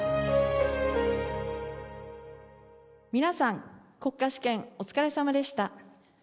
皆さん国家試験お疲れさまでした。